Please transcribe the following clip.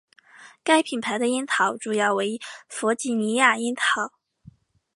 该品牌的烟草主要为弗吉尼亚烟草。